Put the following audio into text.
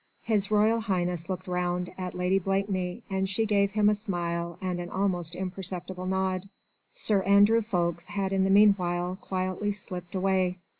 His Royal Highness looked round at Lady Blakeney, and she gave him a smile and an almost imperceptible nod. Sir Andrew Ffoulkes had in the meanwhile quietly slipped away.